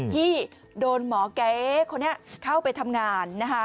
ที่โดนหมอแก๊คนนี้เข้าไปทำงานนะคะ